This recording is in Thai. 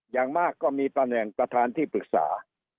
อย่างมากก็มีตำแหน่งประธานที่ปรึกษา